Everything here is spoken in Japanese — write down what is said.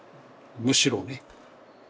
むしろね。